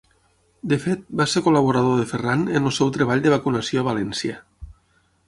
De fet, va ser col·laborador de Ferran en el seu treball de vacunació a València.